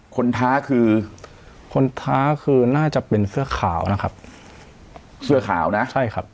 ท้าคือคนท้าคือน่าจะเป็นเสื้อขาวนะครับเสื้อขาวนะใช่ครับ